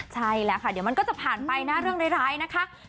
ใช่แล้วค่ะเดี๋ยวมันก็จะผ่านไปนะเรื่องร้ายนะคะ